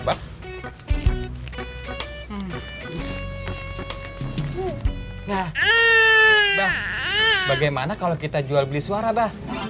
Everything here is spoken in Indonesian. nah bagaimana kalau kita jual beli suara